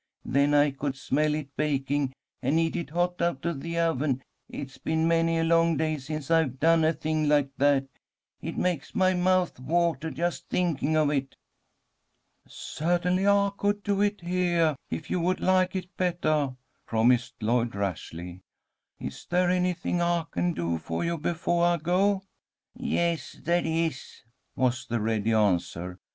Then I could smell it baking, and eat it hot out of the oven. It's been many a long day since I've done a thing like that. It makes my mouth water, just thinking of it." "Certainly I could do it heah, if you would like it bettah," promised Lloyd, rashly. "Is there anything I can do for you befoah I go?" "Yes, there is," was the ready answer.